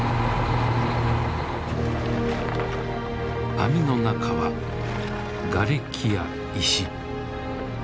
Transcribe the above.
網の中はがれきや石。